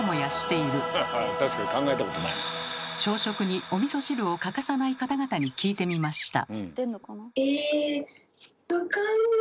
朝食におみそ汁を欠かさない方々に聞いてみました。